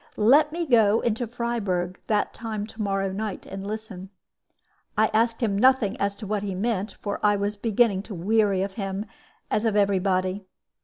Let me go into Freyburg that time to morrow night, and listen. I asked him nothing as to what he meant, for I was beginning to weary of him, as of every body.